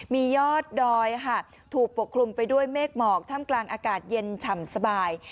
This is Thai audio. มียอดดอยถูกปกคลุมไปด้วยเมฆหมอกท่ามกลางอากาศเย็นฉ่ำสบาย